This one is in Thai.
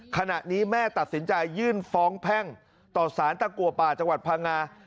ขณะนี้แม่ตัดสินใจยื่นฟ้องแพ่งต่อสารตะกัวป่าจังหวัดพังงา